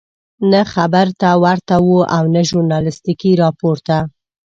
نه خبر ته ورته وو او نه ژورنالستیکي راپور وو.